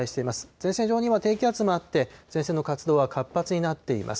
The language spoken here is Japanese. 前線上には低気圧もあって、前線の活動は活発になっています。